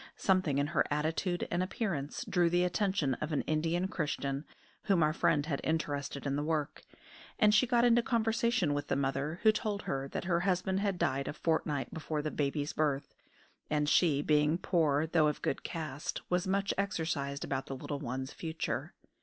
Something in her attitude and appearance drew the attention of an Indian Christian, whom our friend had interested in the work, and she got into conversation with the mother, who told her that her husband had died a fortnight before the baby's birth, and she, being poor though of good caste, was much exercised about the little one's future.